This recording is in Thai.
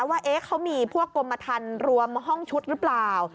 ว่าเขามีพวกกรมทันรวมห้องชุดหรือเปล่า